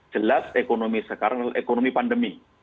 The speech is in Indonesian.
jelas ekonomi sekarang ekonomi pandemi